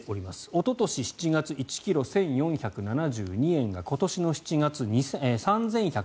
おととし７月１ｋｇ、１４７２円が今年の７月、３１３５円。